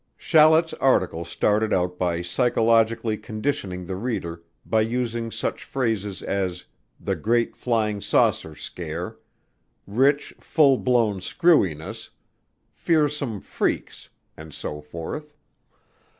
Shallet's article started out by psychologically conditioning the reader by using such phrases as "the great flying saucer scare," "rich, full blown screwiness," "fearsome freaks," and so forth.